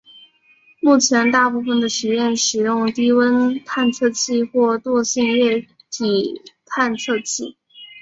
目前大部分的实验使用低温探测器或惰性液体探测器。